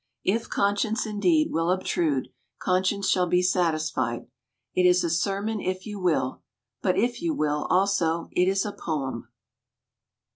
If conscience, indeed, will obtrude, conscience shall be satisfied. It is a sermon if you will, but if you will, also, it is a poem.